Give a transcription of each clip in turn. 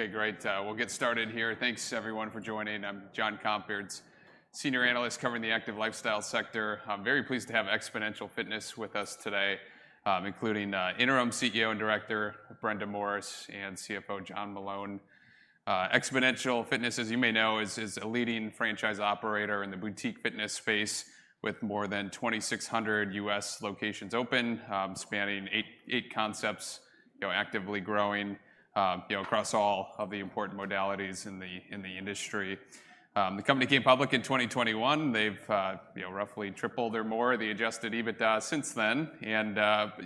Okay, great. We'll get started here. Thanks everyone for joining. I'm Jonathan Komp, Senior Analyst covering the active lifestyle sector. I'm very pleased to have Xponential Fitness with us today, including Interim CEO and Director Brenda Morris, and CFO John Meloun. Xponential Fitness, as you may know, is a leading franchise operator in the boutique fitness space, with more than 2,600 U.S. locations open, spanning 8 concepts, you know, actively growing, you know, across all of the important modalities in the industry. The company came public in 2021. They've roughly tripled or more the adjusted EBITDA since then, and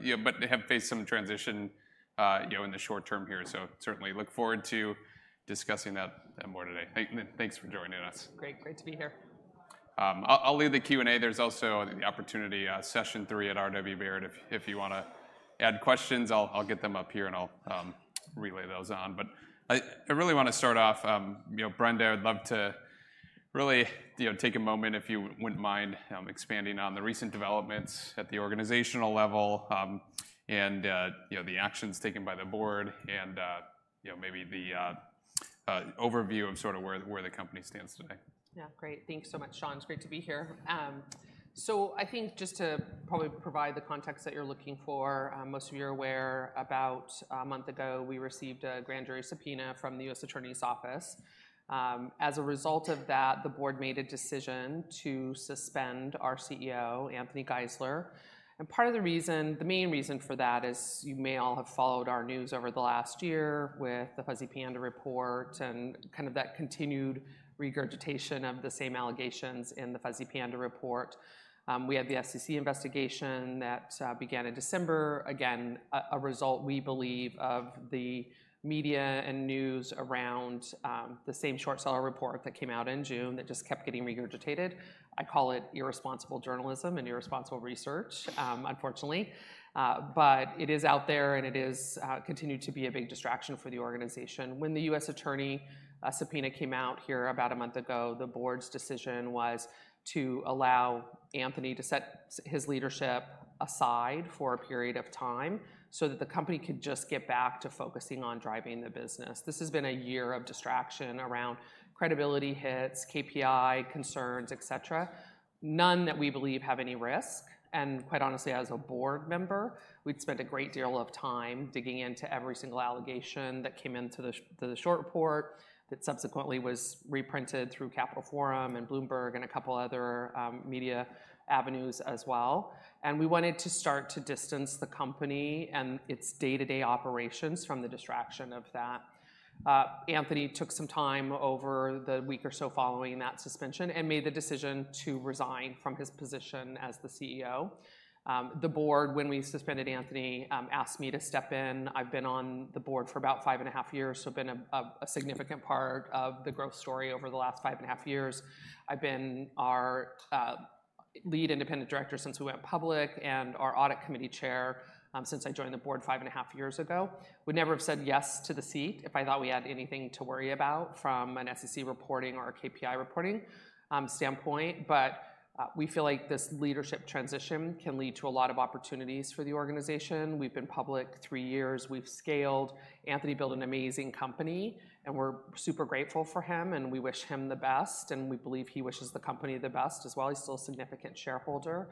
you know, but they have faced some transition, you know, in the short term here. So certainly look forward to discussing that more today. Thanks for joining us. Great. Great to be here. I'll lead the Q&A. There's also the opportunity, session three at RW Baird, if you wanna add questions, I'll get them up here and I'll relay those on. But I really wanna start off, you know, Brenda, I'd love to really, you know, take a moment, if you wouldn't mind, expanding on the recent developments at the organizational level, and you know, the actions taken by the board and you know, maybe the overview of sort of where the company stands today. Yeah, great. Thanks so much, John. It's great to be here. So I think just to probably provide the context that you're looking for, most of you are aware, about a month ago, we received a grand jury subpoena from the U.S. Attorney's Office. As a result of that, the board made a decision to suspend our CEO, Anthony Geisler. Part of the reason, the main reason for that is, you may all have followed our news over the last year with the Fuzzy Panda report and kind of that continued regurgitation of the same allegations in the Fuzzy Panda report. We had the SEC investigation that began in December. Again, a result we believe, of the media and news around the same short seller report that came out in June that just kept getting regurgitated. I call it irresponsible journalism and irresponsible research, unfortunately. But it is out there, and it is continued to be a big distraction for the organization. When the U.S. attorney subpoena came out here about a month ago, the board's decision was to allow Anthony to set his leadership aside for a period of time, so that the company could just get back to focusing on driving the business. This has been a year of distraction around credibility hits, KPI concerns, et cetera. None that we believe have any risk, and quite honestly, as a board member, we'd spent a great deal of time digging into every single allegation that came into the short report, that subsequently was reprinted through The Capital Forum and Bloomberg, and a couple other media avenues as well. We wanted to start to distance the company and its day-to-day operations from the distraction of that. Anthony took some time over the week or so following that suspension and made the decision to resign from his position as the CEO. The board, when we suspended Anthony, asked me to step in. I've been on the board for about five and a half years, so been a significant part of the growth story over the last five and a half years. I've been our lead independent director since we went public, and our audit committee chair, since I joined the board five and a half years ago. Would never have said yes to the seat if I thought we had anything to worry about from an SEC reporting or a KPI reporting standpoint. We feel like this leadership transition can lead to a lot of opportunities for the organization. We've been public three years. We've scaled. Anthony built an amazing company, and we're super grateful for him, and we wish him the best, and we believe he wishes the company the best as well. He's still a significant shareholder,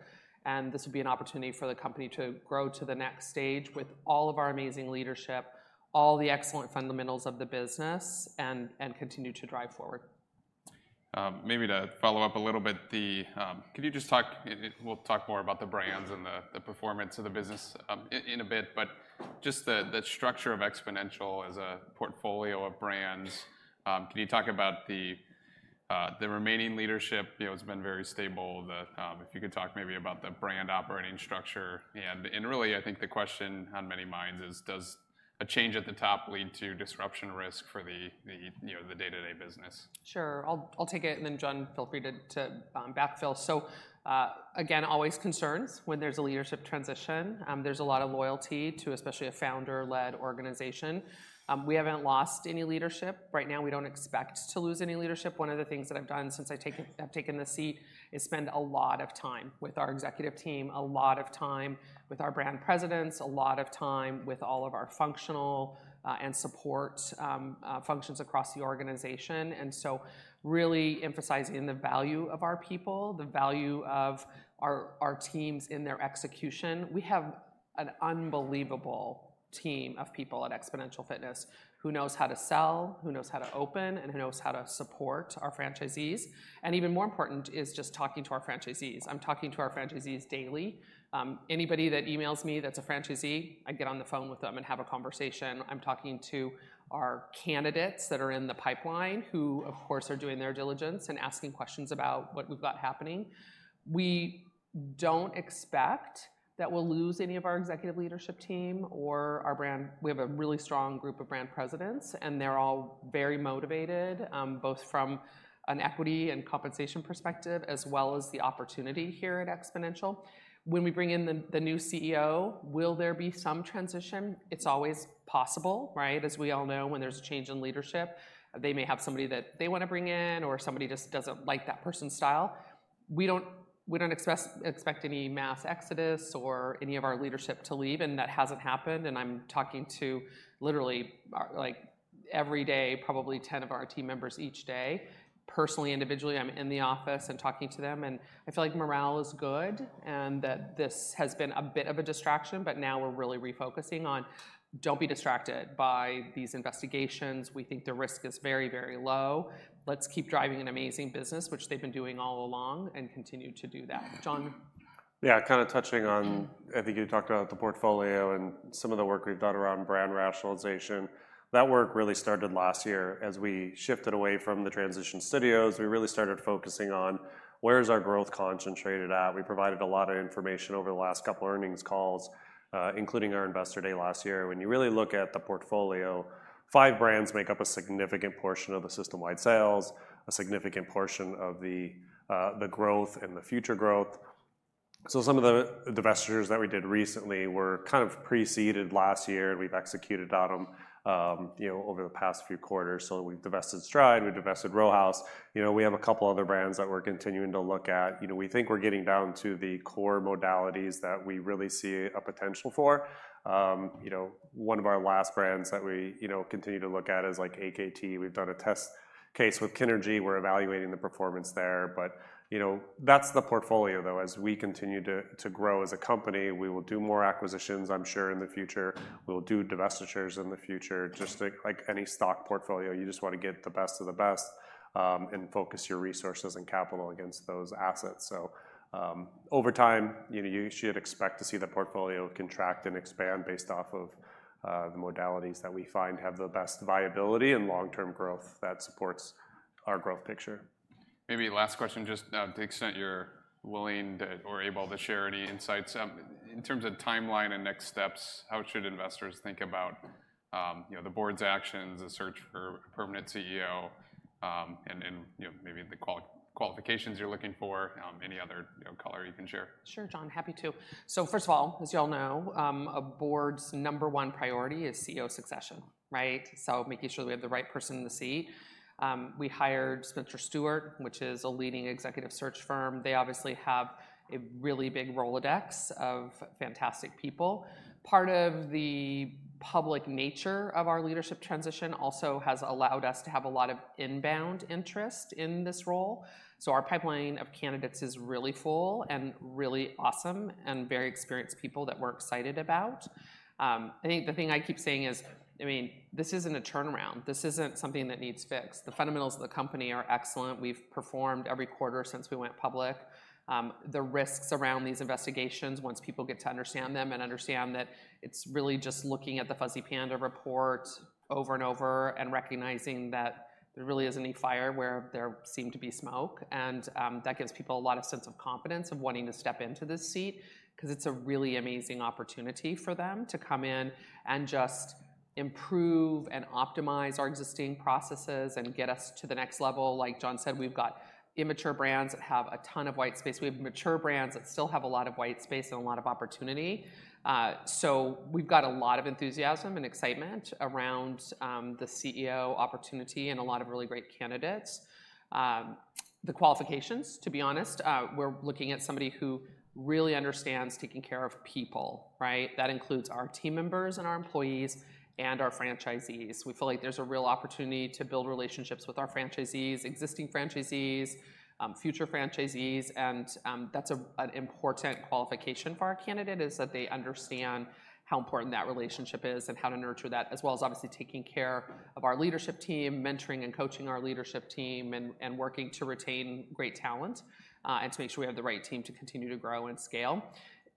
and this would be an opportunity for the company to grow to the next stage with all of our amazing leadership, all the excellent fundamentals of the business, and continue to drive forward. Maybe to follow up a little bit. Could you just talk, and we'll talk more about the brands and the performance of the business in a bit, but just the structure of Xponential as a portfolio of brands. Can you talk about the remaining leadership? You know, it's been very stable. If you could talk maybe about the brand operating structure, and really, I think the question on many minds is: Does a change at the top lead to disruption risk for the, you know, the day-to-day business? Sure. I'll take it, and then, John, feel free to backfill. So, again, always concerns when there's a leadership transition. There's a lot of loyalty to especially a founder-led organization. We haven't lost any leadership. Right now, we don't expect to lose any leadership. One of the things that I've done since I've taken the seat is spend a lot of time with our executive team, a lot of time with our brand presidents, a lot of time with all of our functional and support functions across the organization. And so really emphasizing the value of our people, the value of our teams in their execution. We have an unbelievable team of people at Xponential Fitness who knows how to sell, who knows how to open, and who knows how to support our franchisees. Even more important is just talking to our franchisees. I'm talking to our franchisees daily. Anybody that emails me, that's a franchisee, I get on the phone with them and have a conversation. I'm talking to our candidates that are in the pipeline, who, of course, are doing their diligence and asking questions about what we've got happening. We don't expect that we'll lose any of our executive leadership team or our brand presidents. We have a really strong group of brand presidents, and they're all very motivated, both from an equity and compensation perspective, as well as the opportunity here at Exponential. When we bring in the new CEO, will there be some transition? It's always possible, right? As we all know, when there's a change in leadership, they may have somebody that they wanna bring in, or somebody just doesn't like that person's style. We don't expect any mass exodus or any of our leadership to leave, and that hasn't happened, and I'm talking to literally our, like every day, probably 10 of our team members each day, personally, individually, I'm in the office and talking to them, and I feel like morale is good and that this has been a bit of a distraction, but now we're really refocusing on, "Don't be distracted by these investigations. We think the risk is very, very low. Let's keep driving an amazing business," which they've been doing all along, and continue to do that. John? Yeah, kind of touching on, I think you talked about the portfolio and some of the work we've done around brand rationalization. That work really started last year. As we shifted away from the transition studios, we really started focusing on: Where is our growth concentrated at? We provided a lot of information over the last couple earnings calls, including our Investor Day last year. When you really look at the portfolio, five brands make up a significant portion of the system-wide sales, a significant portion of the growth and the future growth. So some of the divestitures that we did recently were kind of preceded last year. We've executed on them, you know, over the past few quarters. So we've divested Stride, we've divested Row House. You know, we have a couple other brands that we're continuing to look at. You know, we think we're getting down to the core modalities that we really see a potential for. You know, one of our last brands that we, you know, continue to look at is, like, AKT. We've done a test case with KINRGY. We're evaluating the performance there, but, you know, that's the portfolio, though. As we continue to grow as a company, we will do more acquisitions, I'm sure, in the future. We'll do divestitures in the future. Just like, like any stock portfolio, you just want to get the best of the best, and focus your resources and capital against those assets. So, over time, you know, you should expect to see the portfolio contract and expand based off of the modalities that we find have the best viability and long-term growth that supports our growth picture. Maybe last question, just, to the extent you're willing to or able to share any insights. In terms of timeline and next steps, how should investors think about, you know, the board's actions, the search for a permanent CEO, and, and, you know, maybe the qualifications you're looking for, any other, you know, color you can share? Sure, John, happy to. So first of all, as you all know, a board's number one priority is CEO succession, right? So making sure we have the right person in the seat. We hired Spencer Stuart, which is a leading executive search firm. They obviously have a really big Rolodex of fantastic people. Part of the public nature of our leadership transition also has allowed us to have a lot of inbound interest in this role, so our pipeline of candidates is really full, and really awesome, and very experienced people that we're excited about. I think the thing I keep saying is, I mean, this isn't a turnaround. This isn't something that needs fixed. The fundamentals of the company are excellent. We've performed every quarter since we went public. The risks around these investigations, once people get to understand them and understand that it's really just looking at the Fuzzy Panda report over and over, and recognizing that there really isn't any fire where there seemed to be smoke, and that gives people a lot of sense of confidence of wanting to step into this seat. 'Cause it's a really amazing opportunity for them to come in and just improve and optimize our existing processes and get us to the next level. Like John said, we've got immature brands that have a ton of white space. We have mature brands that still have a lot of white space and a lot of opportunity. So we've got a lot of enthusiasm and excitement around the CEO opportunity, and a lot of really great candidates. The qualifications, to be honest, we're looking at somebody who really understands taking care of people, right? That includes our team members, and our employees, and our franchisees. We feel like there's a real opportunity to build relationships with our franchisees, existing franchisees, future franchisees, and, that's a, an important qualification for our candidate, is that they understand how important that relationship is and how to nurture that, as well as obviously taking care of our leadership team, mentoring and coaching our leadership team, and, and working to retain great talent, and to make sure we have the right team to continue to grow and scale.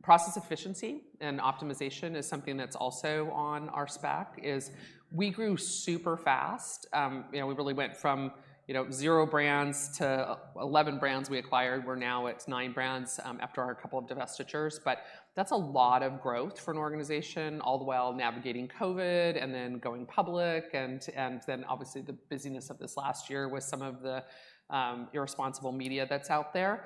Process efficiency and optimization is something that's also on our spec, is we grew super fast. You know, we really went from, you know, zero brands to 11 brands we acquired. We're now at nine brands, after a couple of divestitures, but that's a lot of growth for an organization, all the while navigating COVID, and then going public, and then obviously the busyness of this last year with some of the irresponsible media that's out there.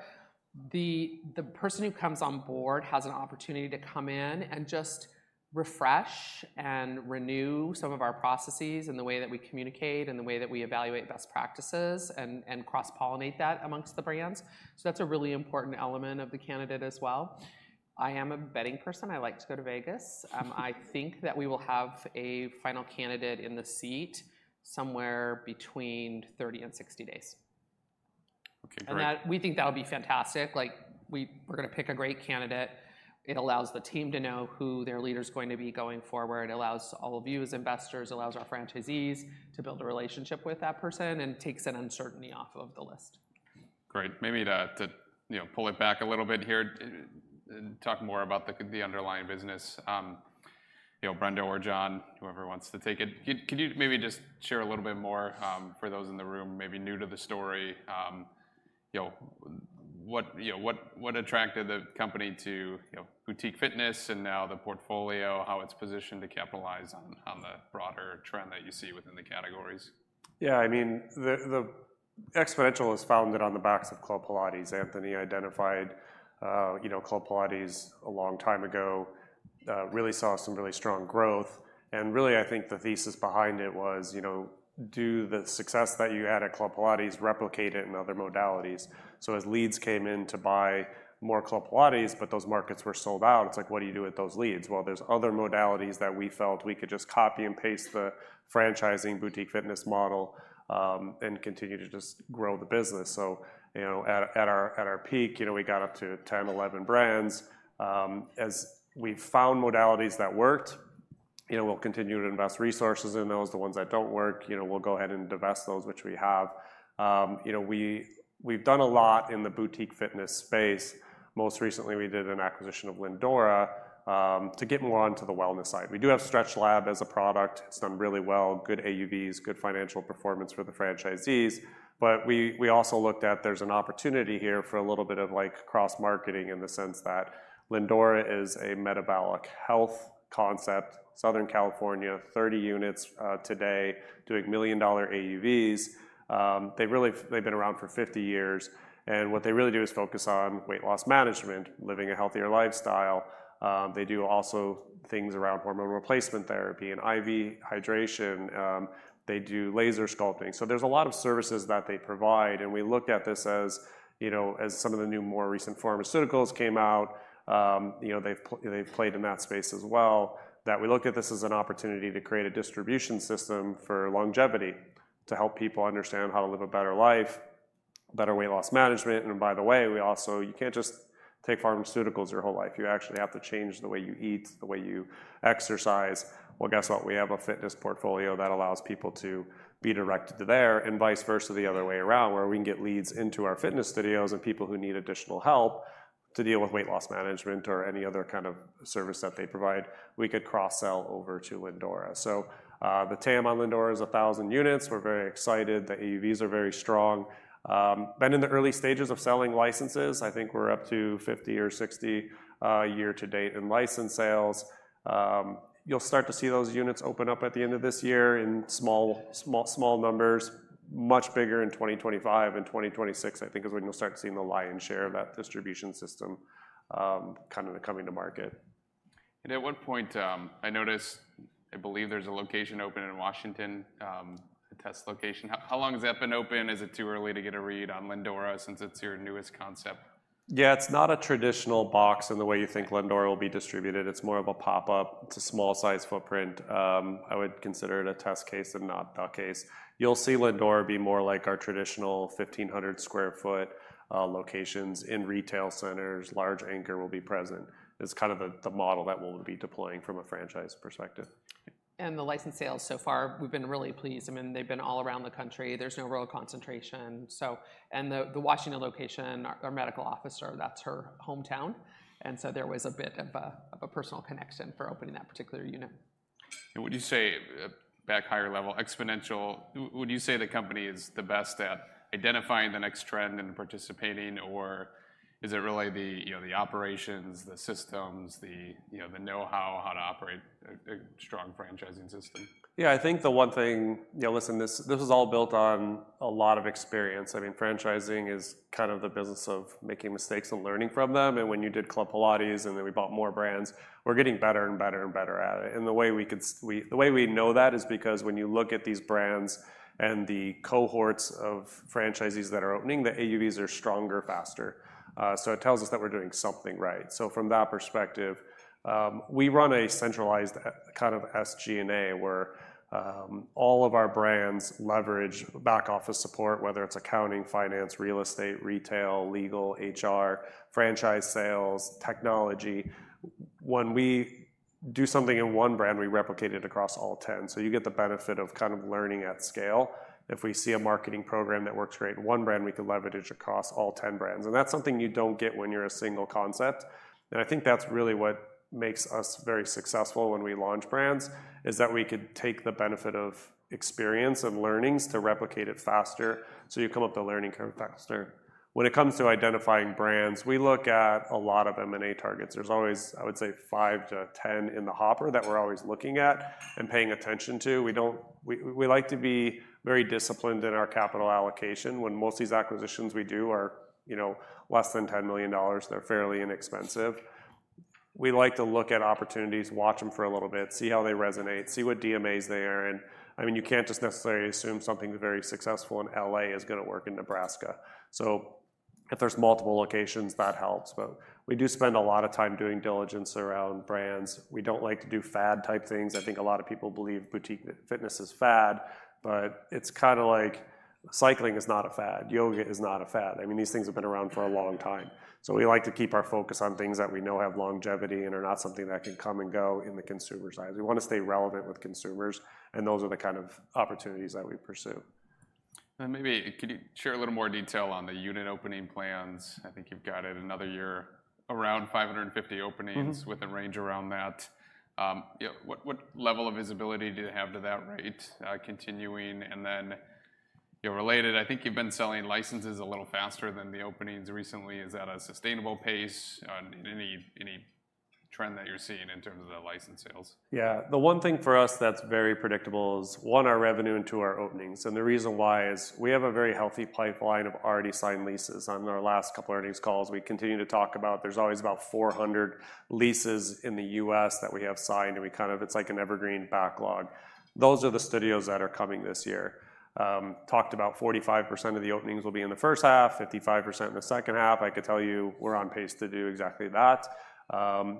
The person who comes on board has an opportunity to come in and just refresh and renew some of our processes, and the way that we communicate, and the way that we evaluate best practices, and cross-pollinate that amongst the brands. So that's a really important element of the candidate as well. I am a betting person. I like to go to Vegas. I think that we will have a final candidate in the seat somewhere between 30 and 60 days. Okay, great. We think that would be fantastic. Like, we're gonna pick a great candidate. It allows the team to know who their leader is going to be going forward. It allows all of you as investors, allows our franchisees, to build a relationship with that person and takes an uncertainty off of the list. Great. Maybe to you know, pull it back a little bit here and talk more about the underlying business. You know, Brenda or John, whoever wants to take it, could you maybe just share a little bit more for those in the room maybe new to the story, you know, what attracted the company to you know, boutique fitness, and now the portfolio, how it's positioned to capitalize on the broader trend that you see within the categories? Yeah, I mean, the Xponential was founded on the backs of Club Pilates. Anthony identified, you know, Club Pilates a long time ago, really saw some really strong growth, and really, I think the thesis behind it was, you know, do the success that you had at Club Pilates, replicate it in other modalities. So as leads came in to buy more Club Pilates, but those markets were sold out, it's like, what do you do with those leads? Well, there's other modalities that we felt we could just copy and paste the franchising boutique fitness model, and continue to just grow the business. So, you know, at our peak, you know, we got up to 10, 11 brands. As we've found modalities that worked, you know, we'll continue to invest resources in those. The ones that don't work, you know, we'll go ahead and divest those, which we have. You know, we've done a lot in the boutique fitness space. Most recently, we did an acquisition of Lindora, to get more onto the wellness side. We do have StretchLab as a product. It's done really well, good AUVs, good financial performance for the franchisees. But we also looked at, there's an opportunity here for a little bit of, like, cross-marketing in the sense that Lindora is a metabolic health concept, Southern California, 30 units, today, doing $1 million AUVs. They've been around for 50 years, and what they really do is focus on weight loss management, living a healthier lifestyle. They do also things around hormone replacement therapy and IV hydration. They do laser sculpting. So there's a lot of services that they provide, and we looked at this as, you know, as some of the new, more recent pharmaceuticals came out, you know, they've played in that space as well, that we look at this as an opportunity to create a distribution system for longevity, to help people understand how to live a better life, better weight loss management. And by the way, we also, you can't just take pharmaceuticals your whole life. You actually have to change the way you eat, the way you exercise. Well, guess what? We have a fitness portfolio that allows people to be directed to there, and vice versa, the other way around, where we can get leads into our fitness studios and people who need additional help to deal with weight loss management or any other kind of service that they provide, we could cross-sell over to Lindora. So, the TAM on Lindora is 1,000 units. We're very excited. The AUVs are very strong. Been in the early stages of selling licenses. I think we're up to 50 or 60, year to date in license sales. You'll start to see those units open up at the end of this year in small, small, small numbers. Much bigger in 2025 and 2026, I think is when you'll start seeing the lion's share of that distribution system, kind of coming to market. At what point, I noticed, I believe there's a location open in Washington, a test location. How long has that been open? Is it too early to get a read on Lindora, since it's your newest concept? Yeah, it's not a traditional box in the way you think Lindora will be distributed. It's more of a pop-up to small-size footprint. I would consider it a test case and not a case. You'll see Lindora be more like our traditional 1,500 sq ft locations in retail centers, large anchor will be present. It's kind of the model that we'll be deploying from a franchise perspective. The license sales so far, we've been really pleased. I mean, they've been all around the country. There's no real concentration. So, the Washington location, our medical officer, that's her hometown, and so there was a bit of a personal connection for opening that particular unit. Would you say, at a higher level, Exponential, the company is the best at identifying the next trend and participating, or is it really the, you know, the operations, the systems, the, you know, the know-how, how to operate a strong franchising system? Yeah, I think the one thing... Yeah, listen, this, this is all built on a lot of experience. I mean, franchising is kind of the business of making mistakes and learning from them. And when you did Club Pilates, and then we bought more brands, we're getting better and better and better at it. And the way we know that is because when you look at these brands and the cohorts of franchisees that are opening, the AUVs are stronger, faster. So it tells us that we're doing something right. So from that perspective, we run a centralized kind of SG&A, where all of our brands leverage back office support, whether it's accounting, finance, real estate, retail, legal, HR, franchise sales, technology. When we do something in one brand, we replicate it across all 10. So you get the benefit of kind of learning at scale. If we see a marketing program that works great in one brand, we can leverage it across all 10 brands, and that's something you don't get when you're a single concept. And I think that's really what makes us very successful when we launch brands, is that we could take the benefit of experience and learnings to replicate it faster, so you come up the learning curve faster. When it comes to identifying brands, we look at a lot of M&A targets. There's always, I would say, 5-10 in the hopper that we're always looking at and paying attention to. We don't-- we, we like to be very disciplined in our capital allocation. When most of these acquisitions we do are, you know, less than $10 million, they're fairly inexpensive. We like to look at opportunities, watch them for a little bit, see how they resonate, see what DMAs they are in. I mean, you can't just necessarily assume something very successful in L.A. is gonna work in Nebraska. So if there's multiple locations, that helps. But we do spend a lot of time doing diligence around brands. We don't like to do fad-type things. I think a lot of people believe boutique fitness is fad, but it's kinda like cycling is not a fad. Yoga is not a fad. I mean, these things have been around for a long time. So we like to keep our focus on things that we know have longevity and are not something that can come and go in the consumer's eyes. We want to stay relevant with consumers, and those are the kind of opportunities that we pursue. Maybe, could you share a little more detail on the unit opening plans? I think you've got it another year, around 550 openings- Mm-hmm. -with a range around that. Yeah, what level of visibility do you have to that rate continuing? And then, you know, related, I think you've been selling licenses a little faster than the openings recently. Is that a sustainable pace, any plans?... trend that you're seeing in terms of the license sales? Yeah. The one thing for us that's very predictable is, one, our revenue, and two, our openings. The reason why is we have a very healthy pipeline of already signed leases. On our last couple earnings calls, we continued to talk about there's always about 400 leases in the U.S. that we have signed, and we kind of—it's like an evergreen backlog. Those are the studios that are coming this year. Talked about 45% of the openings will be in the first half, 55% in the second half. I could tell you we're on pace to do exactly that.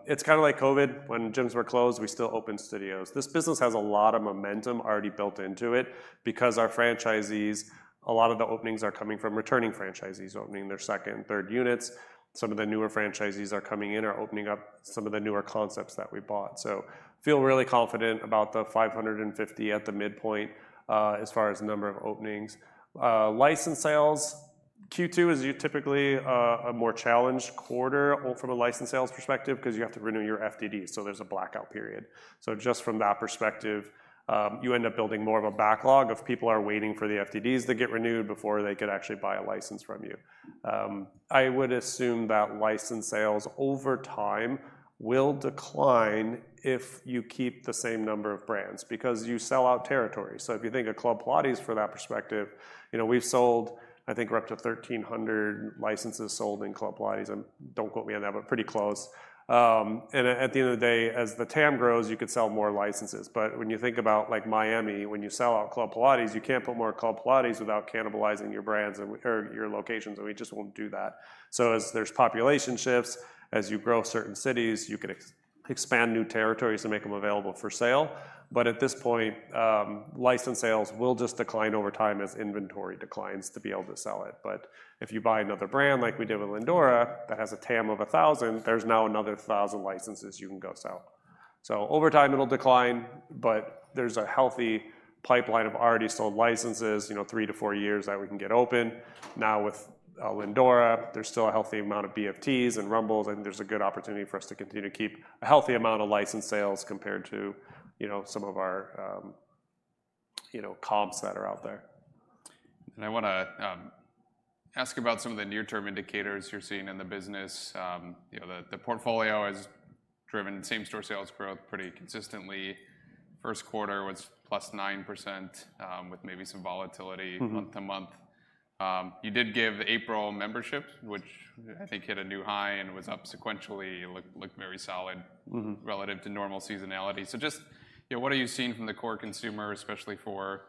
It's kinda like COVID. When gyms were closed, we still opened studios. This business has a lot of momentum already built into it because our franchisees, a lot of the openings are coming from returning franchisees opening their second and third units. Some of the newer franchisees are coming in, are opening up some of the newer concepts that we bought. So feel really confident about the 550 at the midpoint, as far as the number of openings. License sales, Q2 is typically, a more challenged quarter or from a license sales perspective, 'cause you have to renew your FDD, so there's a blackout period. So just from that perspective, you end up building more of a backlog of people are waiting for the FDDs to get renewed before they could actually buy a license from you. I would assume that license sales over time will decline if you keep the same number of brands, because you sell out territory. So if you think of Club Pilates from that perspective, you know, we've sold... I think we're up to 1,300 licenses sold in Club Pilates, and don't quote me on that, but pretty close. And at the end of the day, as the TAM grows, you could sell more licenses. But when you think about, like Miami, when you sell out Club Pilates, you can't put more Club Pilates without cannibalizing your brands and, or your locations, and we just won't do that. So as there's population shifts, as you grow certain cities, you can expand new territories and make them available for sale. But at this point, license sales will just decline over time as inventory declines to be able to sell it. But if you buy another brand, like we did with Lindora, that has a TAM of 1,000, there's now another 1,000 licenses you can go sell. So over time, it'll decline, but there's a healthy pipeline of already sold licenses, you know, 3-4 years that we can get open. Now, with Lindora, there's still a healthy amount of BFTs and Rumbles, and there's a good opportunity for us to continue to keep a healthy amount of license sales compared to, you know, some of our, you know, comps that are out there. I wanna ask about some of the near-term indicators you're seeing in the business. You know, the portfolio has driven same-store sales growth pretty consistently. Q1 was +9%, with maybe some volatility. Mm-hmm. - month-to-month. You did give April membership, which I think hit a new high and was up sequentially, it looked very solid. Mm-hmm. Relative to normal seasonality. So just, you know, what are you seeing from the core consumer, especially for,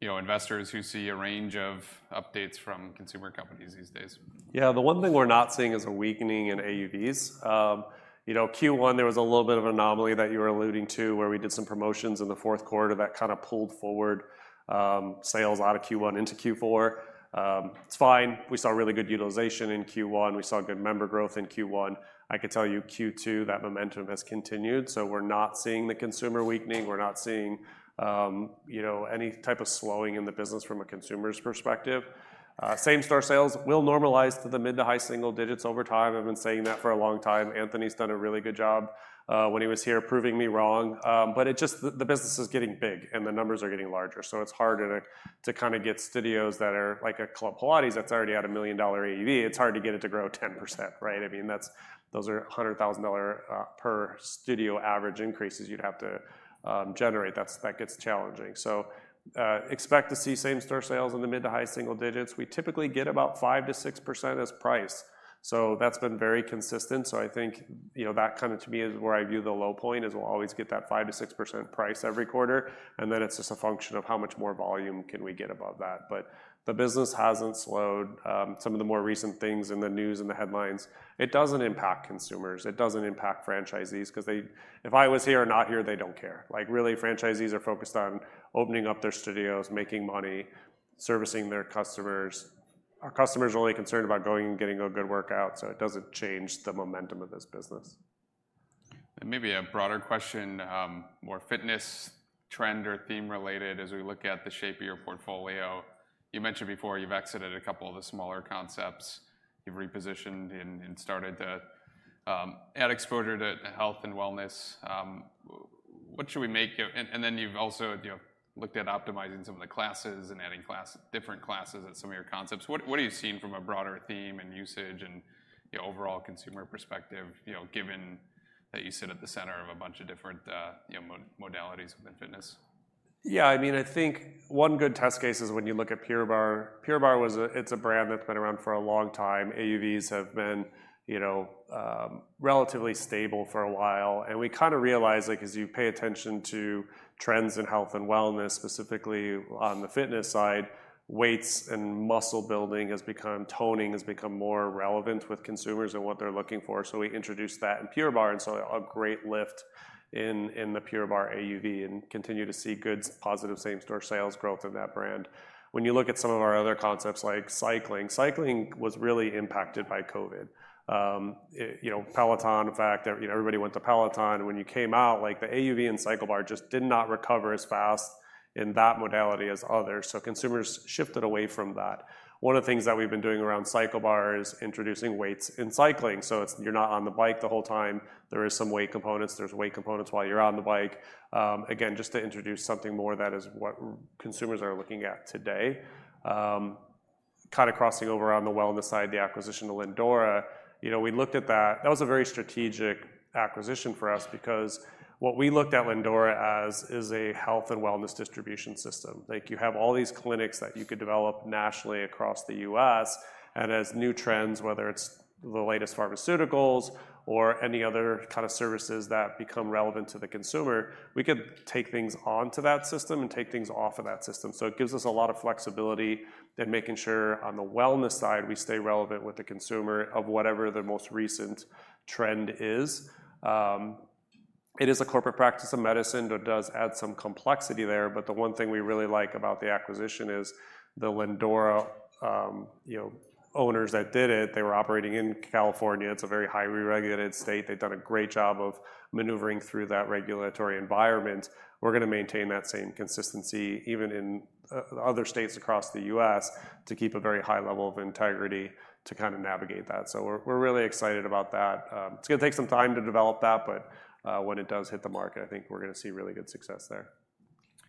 you know, investors who see a range of updates from consumer companies these days? Yeah. The one thing we're not seeing is a weakening in AUVs. You know, Q1, there was a little bit of anomaly that you're alluding to, where we did some promotions in the Q4 that kinda pulled forward, sales out of Q1 into Q4. It's fine. We saw really good utilization in Q1. We saw good member growth in Q1. I could tell you, Q2, that momentum has continued, so we're not seeing the consumer weakening, we're not seeing, you know, any type of slowing in the business from a consumer's perspective. Same-store sales will normalize to the mid to high single digits over time. I've been saying that for a long time. Anthony's done a really good job, when he was here, proving me wrong. But the business is getting big, and the numbers are getting larger, so it's harder to kinda get studios that are like a Club Pilates that's already at a $1 million AUV, it's hard to get it to grow 10%, right? I mean, that's those are $100,000 per studio average increases you'd have to generate. That gets challenging. So expect to see same-store sales in the mid- to high-single digits. We typically get about 5%-6% as price, so that's been very consistent. So I think, you know, that kind of to me is where I view the low point, is we'll always get that 5%-6% price every quarter, and then it's just a function of how much more volume can we get above that. But the business hasn't slowed. Some of the more recent things in the news and the headlines, it doesn't impact consumers, it doesn't impact franchisees, 'cause they—if I was here or not here, they don't care. Like, really, franchisees are focused on opening up their studios, making money, servicing their customers. Our customers are only concerned about going and getting a good workout, so it doesn't change the momentum of this business. Maybe a broader question, more fitness trend or theme-related as we look at the shape of your portfolio. You mentioned before you've exited a couple of the smaller concepts, you've repositioned and started to add exposure to health and wellness. What should we make of—and then you've also, you know, looked at optimizing some of the classes and adding class, different classes at some of your concepts. What are you seeing from a broader theme and usage and, you know, overall consumer perspective, you know, given that you sit at the center of a bunch of different, you know, modalities within fitness? Yeah, I mean, I think one good test case is when you look at Pure Barre. Pure Barre is a brand that's been around for a long time. AUVs have been, you know, relatively stable for a while. And we kind of realized, like, as you pay attention to trends in health and wellness, specifically on the fitness side, weights and muscle building has become... toning has become more relevant with consumers and what they're looking for. So we introduced that in Pure Barre, and saw a great lift in the Pure Barre AUV and continue to see good positive same-store sales growth in that brand. When you look at some of our other concepts like cycling, cycling was really impacted by COVID. It, you know, Peloton, in fact, you know, everybody went to Peloton, and when you came out, like the AUV in CycleBar just did not recover as fast in that modality as others. So consumers shifted away from that. One of the things that we've been doing around CycleBar is introducing weights in cycling, so it's you're not on the bike the whole time. There is some weight components, there's weight components while you're on the bike. Again, just to introduce something more that is what consumers are looking at today. Kind of crossing over on the wellness side, the acquisition of Lindora. You know, we looked at that. That was a very strategic acquisition for us because what we looked at Lindora as is a health and wellness distribution system. Like, you have all these clinics that you could develop nationally across the U.S., and as new trends, whether it's the latest pharmaceuticals or any other kind of services that become relevant to the consumer, we could take things onto that system and take things off of that system. So it gives us a lot of flexibility in making sure on the wellness side, we stay relevant with the consumer of whatever the most recent trend is. It is a corporate practice of medicine, that does add some complexity there, but the one thing we really like about the acquisition is the Lindora, you know, owners that did it, they were operating in California. It's a very highly regulated state. They've done a great job of maneuvering through that regulatory environment. We're gonna maintain that same consistency, even in other states across the U.S., to keep a very high level of integrity to kind of navigate that. So we're, we're really excited about that. It's gonna take some time to develop that, but, when it does hit the market, I think we're gonna see really good success there.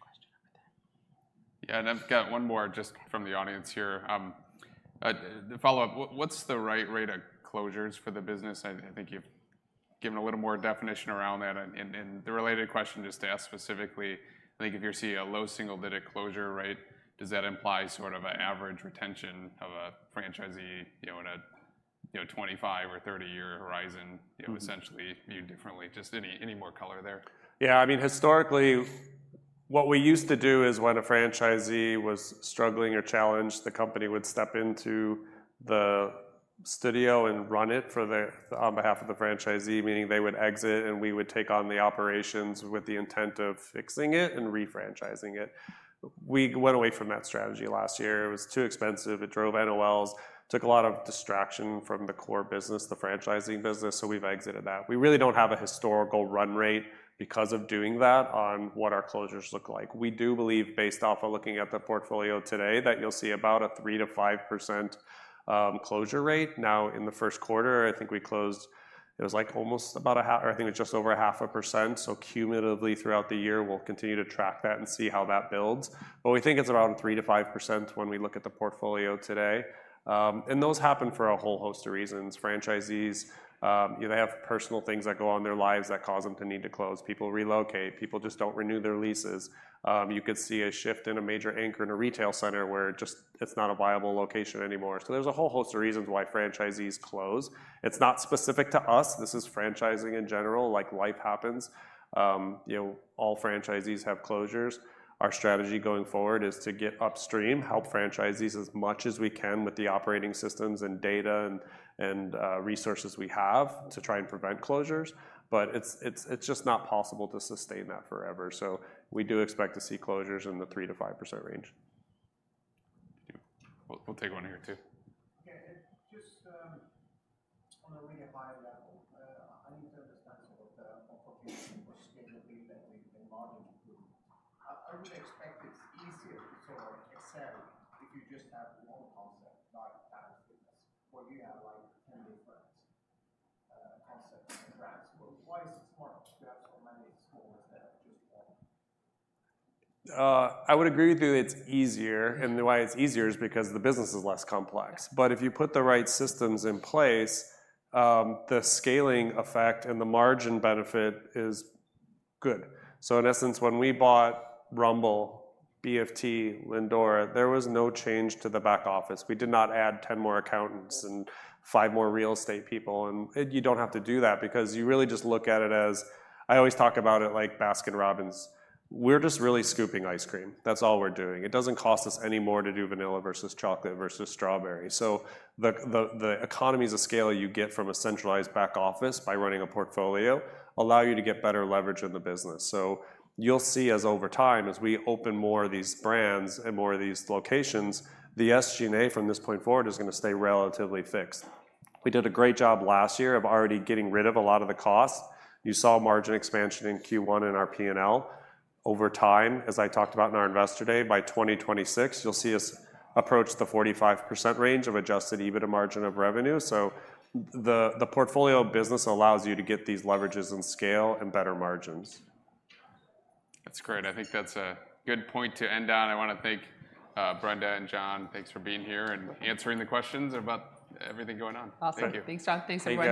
Question over there. Yeah, and I've got one more just from the audience here. To follow up, what's the right rate of closures for the business? I think you've given a little more definition around that. And the related question, just to ask specifically, I think if you're seeing a low single-digit closure rate, does that imply sort of an average retention of a franchisee, you know, in a 25- or 30-year horizon- Mm-hmm. Essentially viewed differently? Just any more color there. Yeah, I mean, historically, what we used to do is when a franchisee was struggling or challenged, the company would step into the studio and run it for the, on behalf of the franchisee, meaning they would exit, and we would take on the operations with the intent of fixing it and refranchising it. We went away from that strategy last year. It was too expensive. It drove NOLs, took a lot of distraction from the core business, the franchising business, so we've exited that. We really don't have a historical run rate because of doing that on what our closures look like. We do believe, based off of looking at the portfolio today, that you'll see about a 3%-5% closure rate. Now, in the Q1, I think we closed—it was, like, almost about 0.5%, or I think it was just over 0.5%, so cumulatively throughout the year, we'll continue to track that and see how that builds. But we think it's around 3%-5% when we look at the portfolio today. And those happen for a whole host of reasons. Franchisees, you know, they have personal things that go on in their lives that cause them to need to close. People relocate. People just don't renew their leases. You could see a shift in a major anchor in a retail center where just it's not a viable location anymore. So there's a whole host of reasons why franchisees close. It's not specific to us. This is franchising in general, like, life happens. You know, all franchisees have closures. Our strategy going forward is to get upstream, help franchisees as much as we can with the operating systems and data and resources we have to try and prevent closures, but it's just not possible to sustain that forever. So we do expect to see closures in the 3%-5% range. Thank you. We'll take one here, too. Yeah, just, on a really high level, I need to understand sort of the opportunity for scale and the margin improvement. I would expect it's easier to excel if you just have one concept, like Planet Fitness, where you have, like, 10 different concepts and brands. But why is it smart to have so many studios than just one? I would agree with you, it's easier, and why it's easier is because the business is less complex. But if you put the right systems in place, the scaling effect and the margin benefit is good. So in essence, when we bought Rumble, BFT, Lindora, there was no change to the back office. We did not add 10 more accountants and 5 more real estate people, and you don't have to do that because you really just look at it as... I always talk about it like Baskin-Robbins. We're just really scooping ice cream. That's all we're doing. It doesn't cost us any more to do vanilla versus chocolate versus strawberry. So the economies of scale you get from a centralized back office by running a portfolio allow you to get better leverage in the business. So you'll see as over time, as we open more of these brands and more of these locations, the SG&A from this point forward is gonna stay relatively fixed. We did a great job last year of already getting rid of a lot of the costs. You saw margin expansion in Q1 in our P&L. Over time, as I talked about in our Investor Day, by 2026, you'll see us approach the 45% range of adjusted EBITDA margin of revenue. So the portfolio business allows you to get these leverages and scale and better margins. That's great. I think that's a good point to end on. I want to thank Brenda and John. Thanks for being here and answering the questions about everything g`oing on. Awesome. Thank you. Thanks, John. Thanks, everyone.